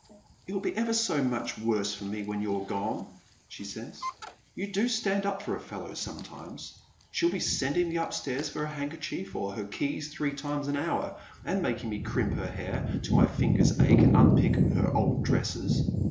" It will be ever so much worse for me when you're gone," she says. " You do stand up for a fellow sometimes. She'll be sending me upstairs for her handkerchief or her keys three times an hour, and making me crimp her hair till my fingers ache, and unpick her old dresses.